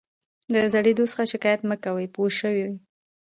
د زړېدو څخه شکایت مه کوه پوه شوې!.